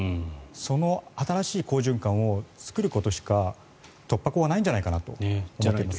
その新しい好循環を作ることしか突破口はないんじゃないかと思います。